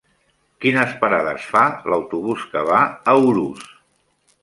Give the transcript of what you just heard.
Quines parades fa l'autobús que va a Urús?